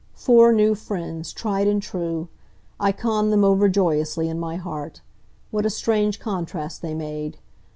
Four new friends, tried and true! I conned them over joyously in my heart. What a strange contrast they made!